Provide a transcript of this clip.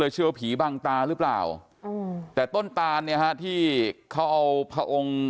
เชื่อว่าผีบังตาหรือเปล่าแต่ต้นตานเนี่ยฮะที่เขาเอาพระองค์